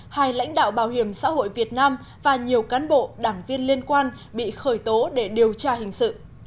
hai lãnh đạo bảo hiểm xã hội việt nam và nhiều cán bộ đảng viên liên quan bị khởi tố để điều tra hình sự